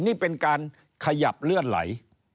นี่เป็นการขยับเลื่อนไหล